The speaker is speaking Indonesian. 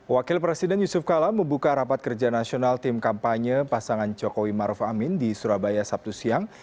wakil presiden yusuf kala membuka rapat kerja nasional tim kampanye pasangan jokowi maruf amin di surabaya sabtu siang